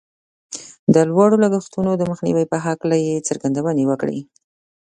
د لوړو لګښتونو د مخنیوي په هکله یې څرګندونې وکړې